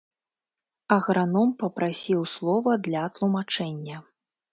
Аграном папрасіў слова для тлумачэння.